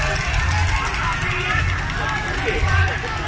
อันนี้ก็มันถูกประโยชน์ก่อน